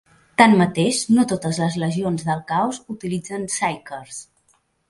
Tanmateix, no totes les legions del Caos utilitzen psykers.